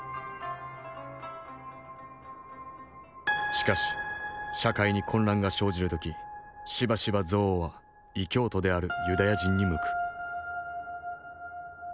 しかし社会に混乱が生じる時しばしば憎悪は異教徒であるユダヤ人に向く。